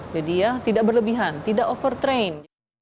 jadi ya tidak berlebihan tidak overtrain